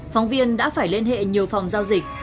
phóng viên đã phải liên hệ nhiều phòng giao dịch